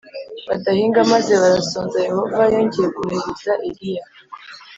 badahinga maze barasonza Yehova yongeye kohereza Eliya